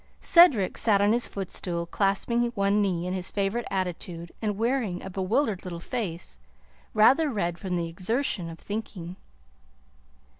Cedric sat on his footstool, clasping one knee in his favorite attitude and wearing a bewildered little face rather red from the exertion of thinking.